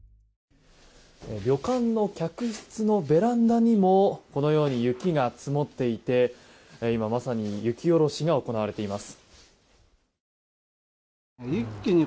旅館の客室のベランダにもこのように雪が積もっていて今まさに雪下ろしが行われています。